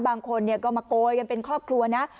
บางคนก็มาโกยกันเป็นครอบครัวนะ